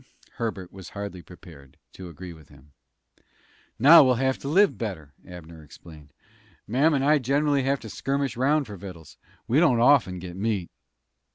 Herbert was hardly prepared to agree with him. "Now we'll have to live better," Abner explained. "Mam and I gen'ally have to skirmish round for vittles. We don't often get meat."